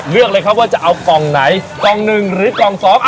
เลือกเลยครับว่าจะเอากล่องไหนกล่องหนึ่งหรือกล่องสอง